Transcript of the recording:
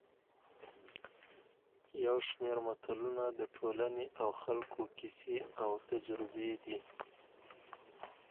یو شمېر متلونه د ټولنې او خلکو کیسې او تجربې دي